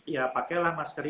ya pakailah masker ini